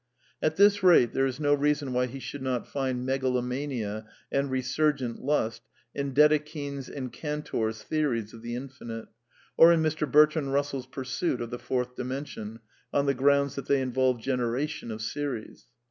^® At this rate there is no reason why he should not find megalomania and resurgent lust in Dedekind's and Can tor's theories of the Infinite, or in Mr. Bertrand Eussell's pursuit of the Fourth Dimension, on the grounds that they involve " generation of series."